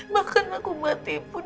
bahkan aku mati pun